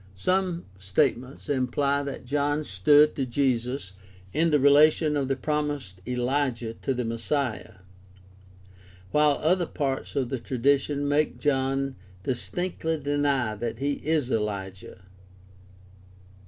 Some statements imply that John stood to Jesus in the relation of the promised Ehjah to the Messiah (Mark 1:2 5; Q^n^iS; cf. Matt. 17:9 13), while other parts of the tradition make John dis tinctly deny that he is Elijah (John 1:21).